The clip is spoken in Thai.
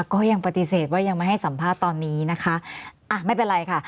ก็ยังปฏิเสธว่ายังไม่ให้สัมภาษณ์ตอนนี้นะคะอ่ะไม่เป็นไรค่ะ